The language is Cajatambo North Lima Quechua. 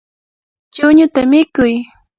Chuñuta mikuy.